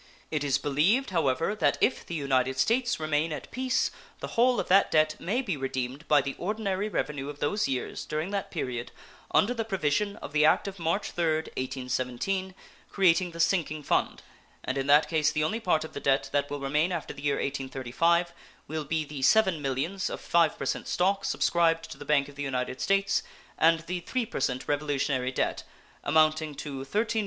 it is believed, however, that if the United States remain at peace the whole of that debt may be redeemed by the ordinary revenue of those years during that period under the provision of the act of March 3rd, 1817, creating the sinking fund, and in that case the only part of the debt that will remain after the year 1835 will be the $7 millions of 5% stock subscribed to the Bank of the United States, and the 3% Revolutionary debt, amounting to $13,296,099.